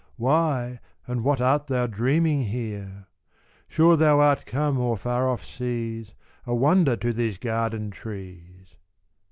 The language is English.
Why and what art thou dreaming here? Sure thou art come o'er far off seas, A wonder to these garden trees!